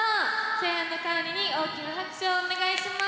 声援の代わりに大きな拍手をお願いします。